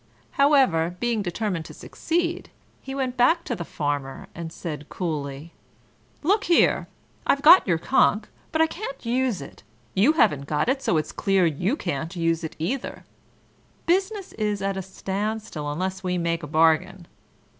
However, being determined to succeed, he went back to the Farmer, and said coolly: "Look here! I've got your conch, but I can't use it; you haven't got it, so it's clear you can't use it either. Business is at a standstill unless we make a bargain.